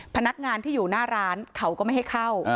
พนักงานที่อยู่หน้าร้านเขาก็ไม่ให้เข้า